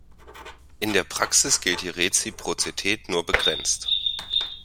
In der Praxis gilt die Reziprozität nur begrenzt.